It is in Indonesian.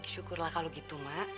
syukur lah kalau gitu mak